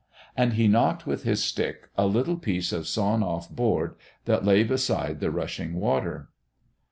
And he knocked with his stick a little piece of sawn off board that lay beside the rushing water.